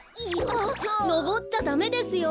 あっのぼっちゃダメですよ。